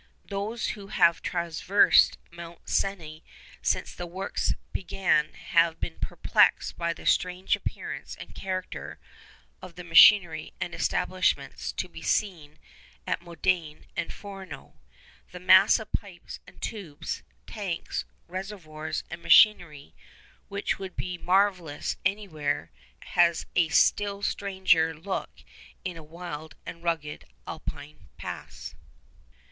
Those who have traversed Mont Cenis since the works began have been perplexed by the strange appearance and character of the machinery and establishments to be seen at Modane and Fourneau. The mass of pipes and tubes, tanks, reservoirs, and machinery, which would be marvellous anywhere, has a still stranger look in a wild and rugged Alpine pass.